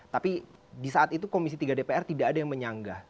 tapi di saat itu komisi tiga dpr tidak ada yang menyanggah